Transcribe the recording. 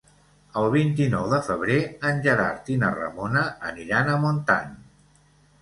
El vint-i-nou de febrer en Gerard i na Ramona aniran a Montant.